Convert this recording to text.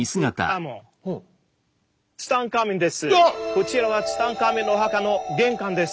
こちらはツタンカーメンのお墓の玄関です。